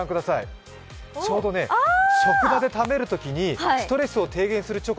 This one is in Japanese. ちょうど職場で食べるときにストレスを低減するチョコ